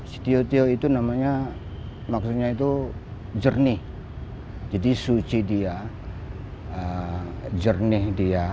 setio tio itu namanya maksudnya itu jernih jadi suci dia jernih dia